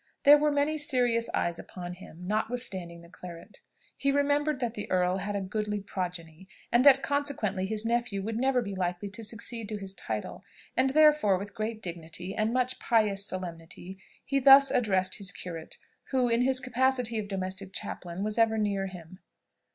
There were many serious eyes upon him, notwithstanding the claret. He remembered that the earl had a "goodly progeny," and that consequently his nephew would never be likely to succeed to his title; and therefore with great dignity, and much pious solemnity, he thus addressed his curate, who, in his capacity of domestic chaplain, was ever near him.